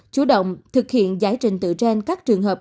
chủ động thực hiện giải trình tự gen các trường hợp